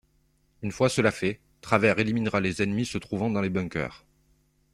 Une fois cela fait, Travers éliminera les ennemis se trouvant dans les bunkers.